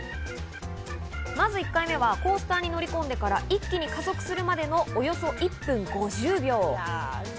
まず１回目はコースターに乗り込んでから一気に加速するまでの、およそ１分５０秒。